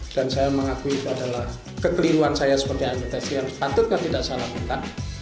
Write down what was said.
dan saya mengakui itu adalah kekeliruan saya sebagai anggota pssi yang sepatutnya tidak saya lakukan